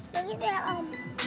begitu ya om